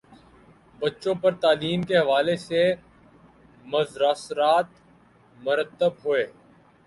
بچوں پر تعلیم کے حوالے سے مضراثرات مرتب ہوئے